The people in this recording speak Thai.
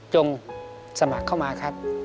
สมัครเข้ามาครับ